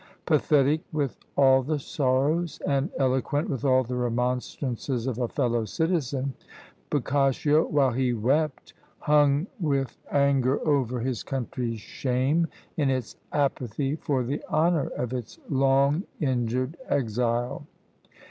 Pathetic with all the sorrows, and eloquent with all the remonstrances of a fellow citizen, Boccaccio, while he wept, hung with anger over his country's shame in its apathy for the honour of its long injured exile.